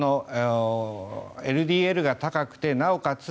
ただ、ＬＤＬが高くてなおかつ